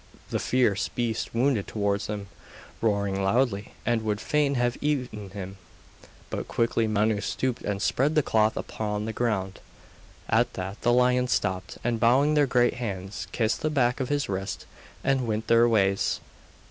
The fierce beasts bounded towards him, roaring loudly, and would fain have eaten him, but quickly Manus stooped and spread the cloth upon the ground. At that the lions stopped, and bowing their great heads, kissed the back of his wrist and went their ways.